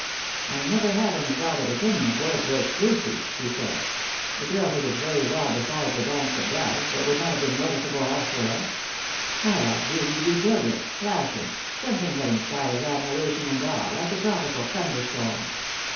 " I never had an exalted opinion of Wordsworth's Lucy," he said ;" a girl who was very well beside the banks of Dove, but would not have been noticeable elsewhere. I like beauty to be brilliant, flashing, something that inspires admiration and awe, like a tropical thunderstorm."